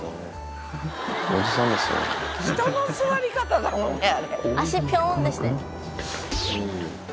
人の座り方だもんね。